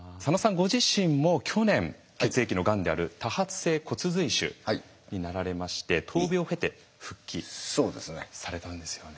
ご自身も去年血液のがんである多発性骨髄腫になられまして闘病を経て復帰されたんですよね。